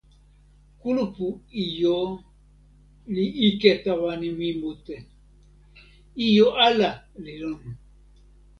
kulupu ijo li ike tawa mi mute. ijo ala li lon.